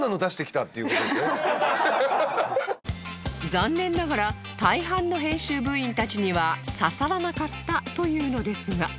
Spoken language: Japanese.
残念ながら大半の編集部員たちには刺さらなかったというのですが